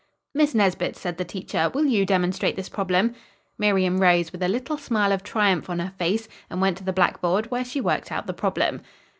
"Miss Nesbit," said the teacher, "will you demonstrate this problem?" Miriam rose with a little smile of triumph on her face and went to the blackboard, where she worked out the problem.